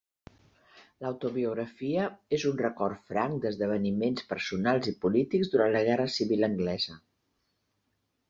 L'autobiografia és un record franc d'esdeveniments personals i polítics durant la Guerra Civil anglesa.